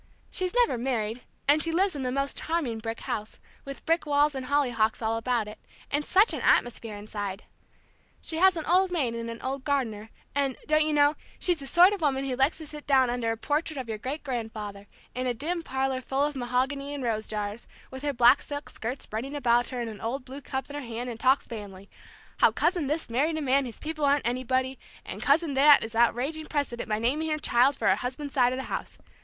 She's never married, and she lives in the most charming brick house, with brick walls and hollyhocks all about it, and such an atmosphere inside! She has an old maid and an old gardener, and don't you know she's the sort of woman who likes to sit down under a portrait of your great grandfather, in a dim parlor full of mahogany and rose jars, with her black silk skirts spreading about her, and an Old Blue cup in her hand, and talk family, how cousin this married a man whose people aren't anybody, and cousin that is outraging precedent by naming her child for her husband's side of the house.